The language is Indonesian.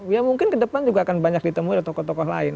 ya mungkin ke depan juga akan banyak ditemui oleh tokoh tokoh lain